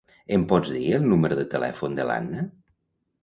Em pots dir el número de telèfon de l'Anna?